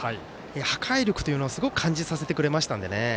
破壊力というのはすごく感じさせてくれましたので。